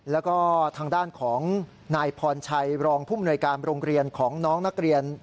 แล้วก็ทางด้านของนายพรชัยรองผู้มนวยการโรงเรียนของน้องนักเรียน